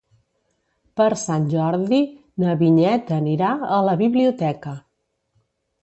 Per Sant Jordi na Vinyet anirà a la biblioteca.